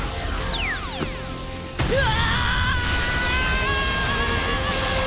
うわ！！